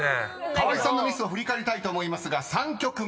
［河合さんのミスを振り返りたいと思いますが３曲目］